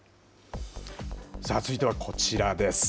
続いてはこちらです。